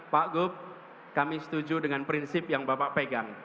pak gup kami setuju dengan prinsip yang bapak pegang